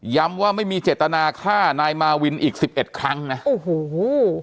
ว่าไม่มีเจตนาฆ่านายมาวินอีกสิบเอ็ดครั้งนะโอ้โห